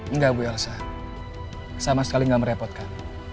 enggak ibu elsa sama sekali gak merepotkan